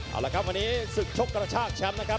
เอาละครับวันนี้ศึกชกกระชากแชมป์นะครับ